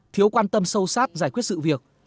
thiếu quan tâm sâu sát giải quyết sự việc